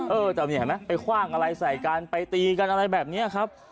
เออเจ้านี่เห็นไหมไปคว่างอะไรใส่กันไปตีกันอะไรแบบนี้ครับ